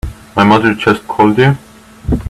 My mother just called you?